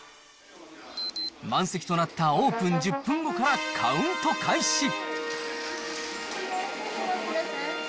満席となったオープン１０分後からカウント開始。